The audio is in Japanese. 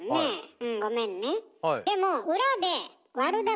うんごめんね。